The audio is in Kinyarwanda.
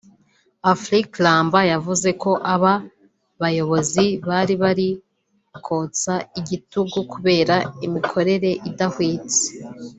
Afrique Ramba yavuze ko aba bayobozi bari bari kotswa igitutu kubera imikorere idahwitse